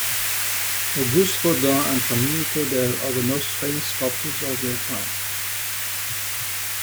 Auguste Rodin and Camille Claudel are the most famous sculptors of their time.